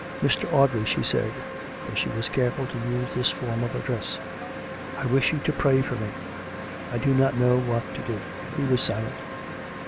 " Mr. Audrey," she said (for she was careful to use this form of address), " I wish you to pray for me. I do not know what to do." He was silent.